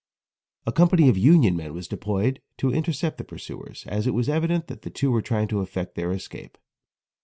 A company of Union men was deployed to intercept the pursuers, as it was evident that the two were trying to effect their escape.